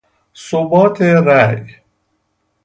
ثبات رأی